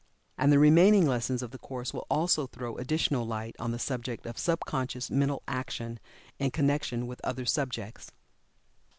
And the remaining lessons of the course will also throw additional light on the subject of sub conscious mental action, in connection with other subjects.